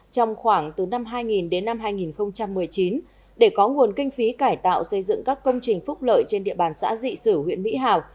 từ năm hai nghìn đến năm hai nghìn một mươi chín để có nguồn kinh phí cải tạo xây dựng các công trình phúc lợi trên địa bàn xã dị xử huyện mỹ hảo